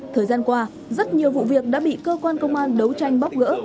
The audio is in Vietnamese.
thời gian qua rất nhiều vụ việc đã bị cơ quan công an đấu tranh bóc gỡ